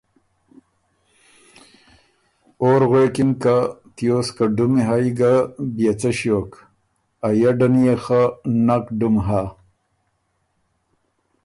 اور غوېکِن که ”تیوس که ډُمی هئ ګۀ بيې څه ݭیوک، ا یډن يې خه نک ډُم هۀ“